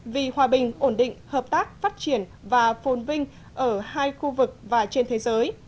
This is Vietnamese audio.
vì hòa bình ổn định hợp tác phát triển và phồn vinh ở hai khu vực và trên thế giới